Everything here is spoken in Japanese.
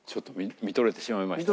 見とれてしまいました。